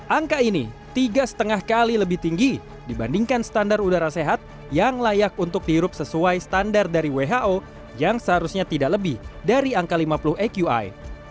angka ini tiga lima kali lebih tinggi dibandingkan standar udara sehat yang layak untuk dihirup sesuai standar dari who yang seharusnya tidak lebih dari angka lima puluh aqi